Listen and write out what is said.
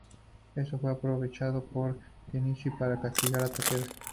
Esto fue aprovechado por Kenshin para castigar a Takeda.